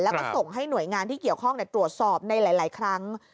แล้วก็ส่งให้หน่วยงานที่เกี่ยวข้องตรวจสอบในหลายครั้ง